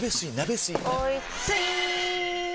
おいスイー！